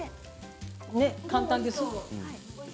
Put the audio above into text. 簡単です。